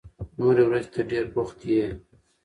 نورې ورځې ته ډېر بوخت يې.